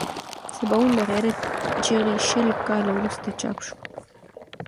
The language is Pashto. سباوون د غیرت چغې شل کاله وروسته چاپ شوه.